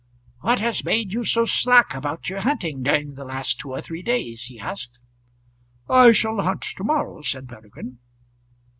"What has made you so slack about your hunting during the last two or three days?" he asked. "I shall hunt to morrow," said Peregrine.